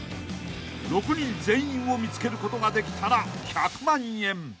［６人全員を見つけることができたら１００万円］